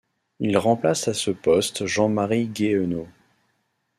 Il remplace à ce poste Jean-Marie Guéhenno.